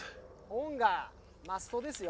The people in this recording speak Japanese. オンがマストですよ。